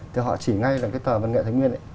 thì họ chỉ ngay là cái tờ văn nghệ thái nguyên ấy